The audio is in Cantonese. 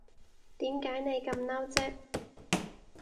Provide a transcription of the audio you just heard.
點解你咁嬲啫